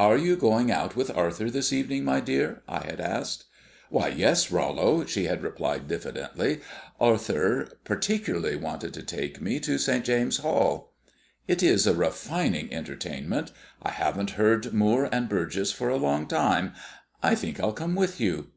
"Are you going out with Arthur this evening, my dear?" I had asked. "Well, yes, Rollo," she had replied diffidently, "Arthur particularly wanted to take me to St. James's Hall." "It is a refining entertainment. I haven't heard Moore and Burgess for a long time. I think I'll come with you."